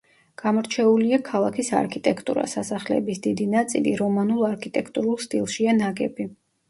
გამორჩეულია ქალაქის არქიტექტურა, სასახლეების დიდი ნაწილი რომანულ არქიტექტურულ სტილშია ნაგები.